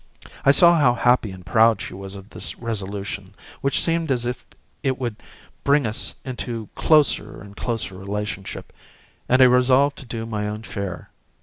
I saw how happy and proud she was of this resolution, which seemed as if it would bring us into closer and closer relationship, and I resolved to do my own share.